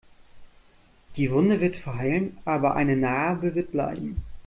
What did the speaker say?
Die Wunde wird verheilen, aber eine Narbe wird bleiben.